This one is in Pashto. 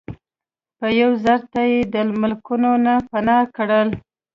په یو ډز ته یی د ملکونو نه پناه کړل